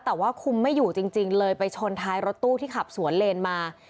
แต่ว่าคุมไม่อยู่จริงเลยไปชนท้ายรถตู้ที่ขับสวนเลนมา